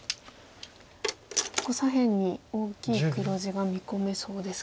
結構左辺に大きい黒地が見込めそうですか。